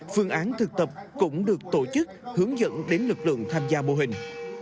phương án thực tập cũng được tổ chức hướng dẫn đến lực lượng tham gia mô hình